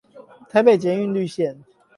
台北捷運綠線